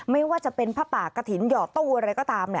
ไม่ว่าจะเป็นผ้าปากกระถิ่นหยอดตู้อะไรก็ตาม